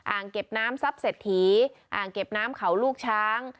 อ่างเก็บน้ำซับเสดทีอ่างเก็บน้ำเขาลูกช้าง